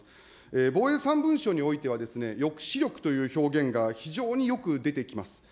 防衛３文書においては、抑止力という表現が非常によく出てきます。